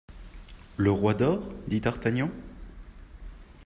Le roi dort ? dit d'Artagnan.